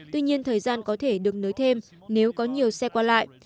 tuy nhiên thời gian có thể được nới thêm nếu có nhiều xe qua lại